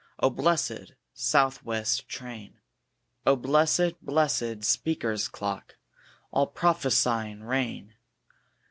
O blessed South west train! O blessed, blessed Speaker's clock, All prophesying rain!